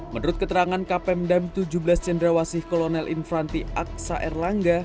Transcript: menurut keterangan kapem dam tujuh belas cendrawasih kolonel infranti aksa erlangga